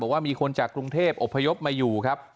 ว่ามีคนจากกรุงเทพอบพยพมาอยู่ครับ